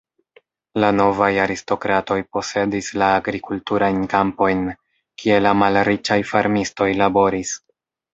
La novaj aristokratoj posedis la agrikulturajn kampojn, kie la malriĉaj farmistoj laboris.